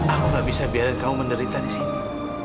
aku gak bisa biarin kamu menderita di sini